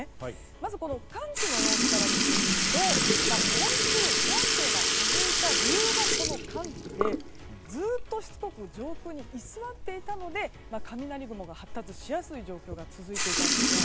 まず寒気の様子から見てみると今週、不安定が続いた理由がこの寒気でずっとしつこく上空に居座っていたので雷雲が発達しやすい状況が続いていたんですね。